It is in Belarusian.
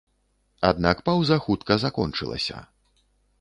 Аднак паўза хутка закончылася.